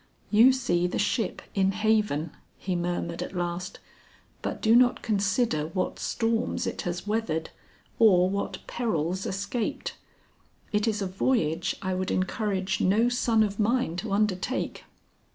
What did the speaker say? "You see the ship in haven," he murmured at last; "but do not consider what storms it has weathered or what perils escaped. It is a voyage I would encourage no son of mine to undertake."